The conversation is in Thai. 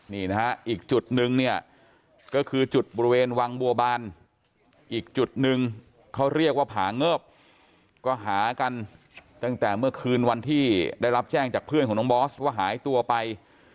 นี่นะฮะอีกจุดนึงเนี่ยก็คือจุดบริเวณวังบัวบานอีกจุดนึงเขาเรียกว่าผาเงิบก็หากันตั้งแต่เมื่อคืนวันที่ได้รับแจ้งจากเพื่อนของน้องบอสว่าหายตัวไป